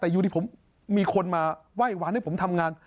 แต่อยู่ดีผมมีคนมาไหว้วานให้ผมทำงาน